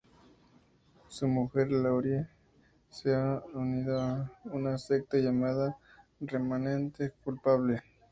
Su mujer, Laurie, se ha unido a una secta llamada "Remanente Culpable".